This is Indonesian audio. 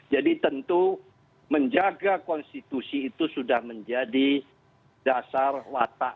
tentu menjaga konstitusi itu sudah menjadi dasar watak